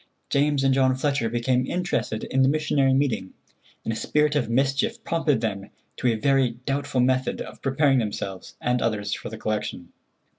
James and John Fletcher became interested in the missionary meeting, and a spirit of mischief prompted them to a very doubtful method of preparing themselves and others for the collection.